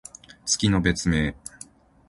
月の別名。